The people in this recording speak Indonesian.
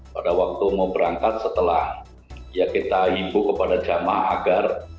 pada waktu mau berangkat setelah ya kita himpu kepada jamaah agar